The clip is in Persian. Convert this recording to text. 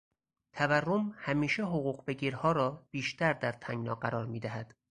تورم همیشه حقوقبگیرها را بیشتر در تنگنا قرار میدهد.